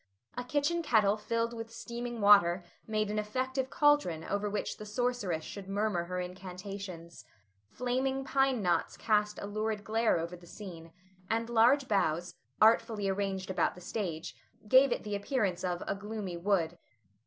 A kitchen kettle filled with steaming water made an effective caldron over which the sorceress should murmur her incantations; flaming pine knots cast a lurid glare over the scene; and large boughs, artfully arranged about the stage, gave it the appearance of a "gloomy wood."